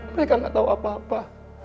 mereka gak tau apa apa